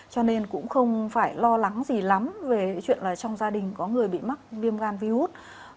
cho nên cũng không phải lo lắng gì lắm về cái chuyện là trong gia đình có người bị mắc viêm gan virus